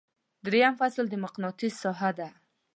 دریم فصل د مقناطیس ساحه ده.